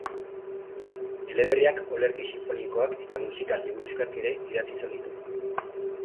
Eleberriak, olerki sinfonikoak eta musikal-liburuxkak ere idatzi izan ditu.